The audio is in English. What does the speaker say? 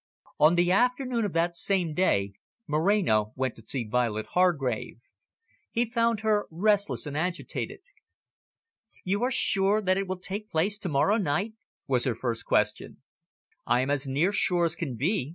On the afternoon of that same day Moreno went to see Violet Hargrave. He found her restless and agitated. "You are sure that it will take place to morrow night?" was her first question. "I am as near sure as can be.